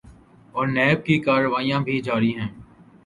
اورنیب کی کارروائیاں بھی جاری ہیں۔